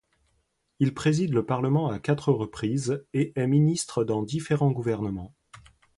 Il préside le parlement à quatre reprises et est ministre dans différents gouvernements.